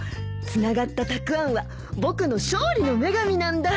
つながったたくあんは僕の勝利の女神なんだ。